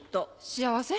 幸せ。